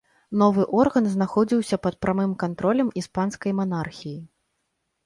Новы орган знаходзіўся пад прамым кантролем іспанскай манархіі.